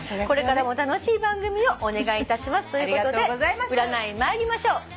「これからも楽しい番組をお願いいたします」ということで占い参りましょう。